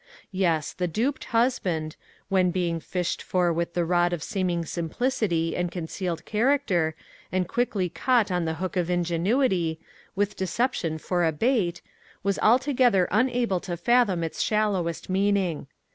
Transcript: Yes, the duped husband, when being fished for with the rod of seeming simplicity and concealed character, and quickly caught on the hook of ingenuity, with deception for a bait, was altogether unable to fathom its shallowest meaning.